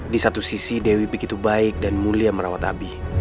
di satu sisi dewi begitu baik dan mulia merawat nabi